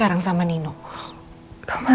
apa ada mengemukanku pak